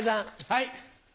はい。